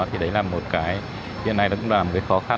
thì đấy là một cái hiện nay nó cũng là một cái khó khăn